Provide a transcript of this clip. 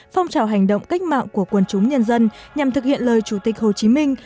phong trào hành động cách mạng của quân chúng nhân dân nhằm thực hiện lời chủ tịch hồ chí minh